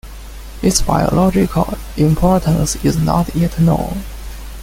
Its biological importance is not yet known.